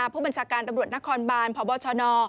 ผู้บัญชาการตำรวจนครบานพบชน